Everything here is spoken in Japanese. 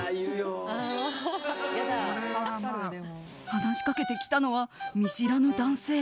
話しかけてきたのは見知らぬ男性。